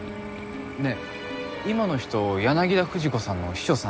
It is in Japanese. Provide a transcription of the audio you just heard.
ねえ今の人柳田不二子さんの秘書さんじゃ？